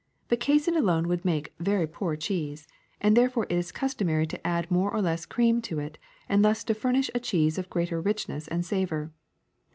But casein alone would make very poor cheese, and there fore it is customary to add more or less cream to it and thus furnish a cheese of greater richness and savor.